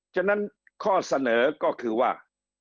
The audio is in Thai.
ฉะนั้นข้อเสนอก็คือว่า